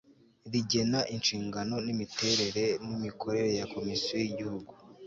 rigena inshingano imiterere n imikorere ya komisiyo y igihugu